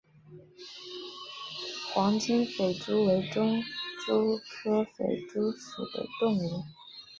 黄金肥蛛为园蛛科肥蛛属的动物。